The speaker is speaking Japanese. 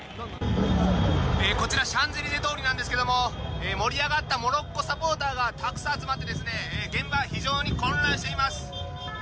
こちらシャンゼリゼ通りなんですけども盛り上がったモロッコサポーターがたくさん集まって現場は非常に混乱しています。